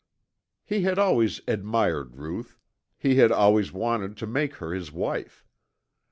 He had always admired Ruth, he had always wanted to make her his wife.